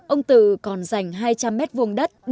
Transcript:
ông từ còn dành hai trăm linh mét vuông đất